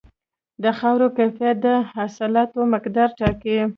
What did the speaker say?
د خاورې کیفیت د حاصلاتو مقدار ټاکي.